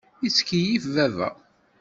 Yettkeyyif baba.